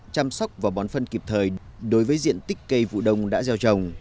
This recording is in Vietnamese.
chăm sóc và bón phân kịp thời đối với diện tích cây vụ đông đã gieo trồng